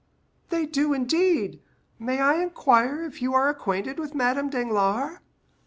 "They do, indeed. May I inquire if you are acquainted with Madame Danglars?"